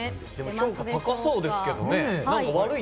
評価高そうですけどね。